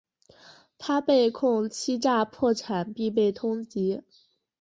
他被控欺诈破产并被通缉。